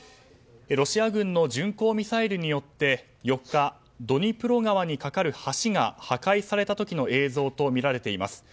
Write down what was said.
ロシア軍の巡航ミサイルによって４日、ドニプロ川に架かる橋が破壊された時の映像とみられています。